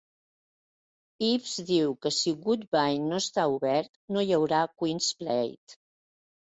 Eaves diu que si Woodbine no està obert, no hi haurà Queen's Plate.